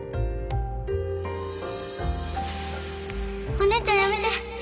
お姉ちゃんやめて！